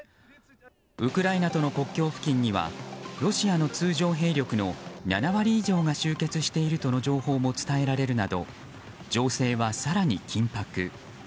ウクライナとの国境付近にはロシアの通常兵力の７割以上が集結しているとの情報も伝えられるなど情勢は更に緊迫。